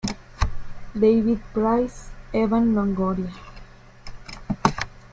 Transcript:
David Price, Evan Longoria.